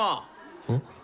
うん？